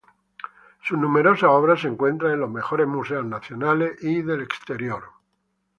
Sus numerosas obras se encuentran en los mejores museos nacionales y del exterior.